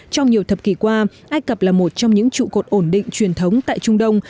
trong nhiều thập kỷ qua ai cập là một trong những trụ cột ổn định truyền thống tại trung đông